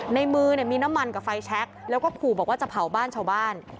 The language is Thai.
ในมือมีน้ำมันกับไฟแช็คแล้วก็ขู่บอกว่าจะเผาบ้านชาวบ้าน